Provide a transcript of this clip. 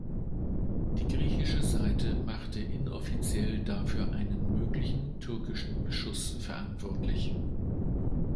Die griechische Seite machte inoffiziell dafür einen möglichen türkischen Beschuss verantwortlich.